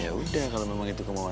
ya udah kalau memang itu kemauan